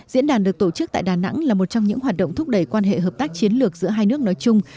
diễn đàn được tổ chức tại đà nẵng là một trong những hoạt động thúc đẩy quan hệ hợp tác chiến lược giữa hai nước nói chung